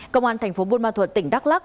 công an tp bun ma thuật tỉnh đắk lắc